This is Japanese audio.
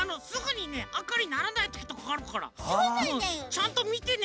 ちゃんとみてね